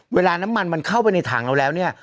เวลาน้ำมันมันเข้าไปในถังเราแล้วเนี่ย